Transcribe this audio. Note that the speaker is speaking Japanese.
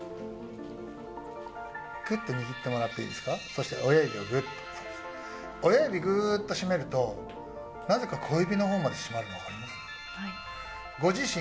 グッと握ってもらっていいですかそして親指をグッと親指グーッと締めるとなぜか小指の方まで締まるの分かります？